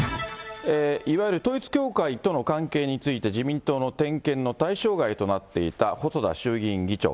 いわゆる統一教会との関係について、自民党の点検の対象外となっていた細田衆議院議長。